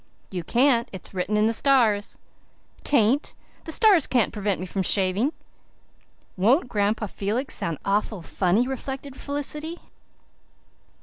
"You can't. It's written in the stars." "'Tain't. The stars can't prevent me from shaving." "Won't Grandpa Felix sound awful funny?" reflected Felicity.